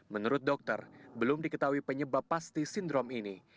menurut dokter belum diketahui penyebab pasti sindrom ini